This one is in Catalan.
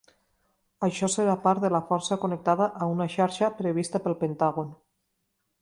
Això serà part de la força connectada a una xarxa prevista pel Pentàgon.